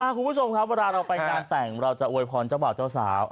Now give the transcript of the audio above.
คุณผู้ชมครับเวลาเราไปงานแต่งเราจะอวยพรเจ้าบ่าวเจ้าสาว